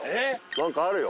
何かあるよ